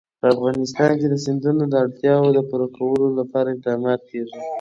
په افغانستان کې د سیندونه د اړتیاوو پوره کولو لپاره اقدامات کېږي.